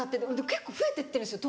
結構増えてってるんですよ